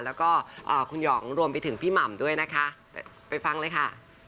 แล้วก็คุณหยองรวมไปถึงพี่หม่ำด้วยนะคะไปฟังเลยค่ะ